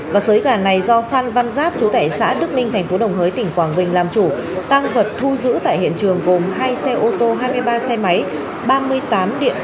và sới gà này do phan văn giáp chú tẻ xã đức minh thành phố đồng hới tỉnh quảng bình làm chủ tăng vật thu giữ tại hiện trường gồm hai xe ô tô hai mươi ba xe máy ba mươi tám điện thoại di động hơn hai trăm linh triệu đồng và nhiều tăng vật